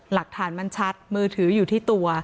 หลักฐานมันชัดมือถืออยู่ที่ตัว